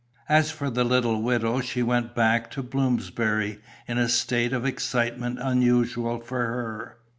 As for the little widow, she went back to Bloomsbury in a state of excitement unusual for her.